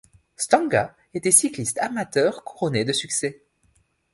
Stanga était cycliste amateur couronné de succès.